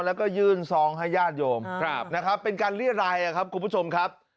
แล้วก็ยืนซองให้ญาติโยมเป็นการเรียดลายนะครับคุณผู้ชมครับ